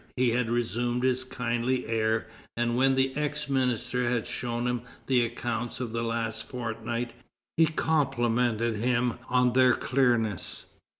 He had resumed his kindly air, and when the ex minister had shown him the accounts of the last fortnight, he complimented him on their clearness.